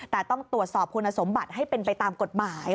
แต่ต้องตรวจสอบคุณสมบัติให้เป็นไปตามกฎหมาย